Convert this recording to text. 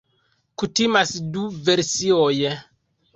Kutimas du versioj.